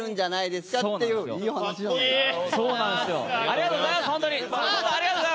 ありがとうございます。